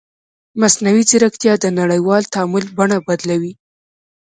مصنوعي ځیرکتیا د نړیوال تعامل بڼه بدلوي.